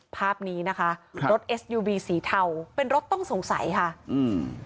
ภาพนี้นะคะครับรถเอสยูวีสีเทาเป็นรถต้องสงสัยค่ะอืม